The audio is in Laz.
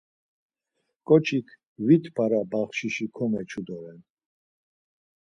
Ǩoçik vit para baxşişi komeçu doren.